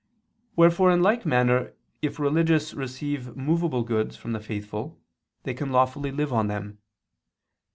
Wherefore in like manner if religious receive movable goods from the faithful they can lawfully live on them.